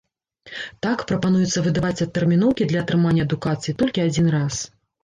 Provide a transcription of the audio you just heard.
Так, прапануецца выдаваць адтэрміноўкі для атрымання адукацыі толькі адзін раз.